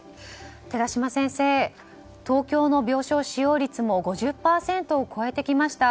寺嶋先生、東京の病床使用率も５０％を超えてきました。